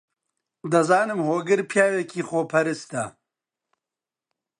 دەزانم هۆگر پیاوێکی خۆپەرستە.